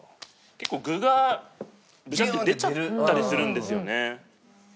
結構具がグチャッて出ちゃったりするんですよね。